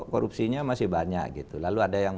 korupsinya masih banyak gitu lalu ada yang